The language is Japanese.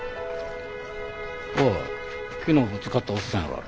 おう昨日ぶつかったおっさんやろあれ。